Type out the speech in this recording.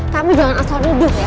kami jangan asal duduk ya